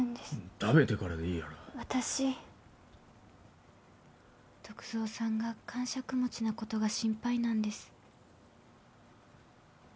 食べてからでいいやろ私篤蔵さんが癇癪持ちなことが心配なんです